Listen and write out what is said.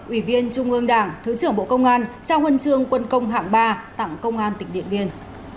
ủy viên trung ương đảng thứ trưởng bộ công an trao huân chương quân công hạng ba tặng công an tỉnh điện biên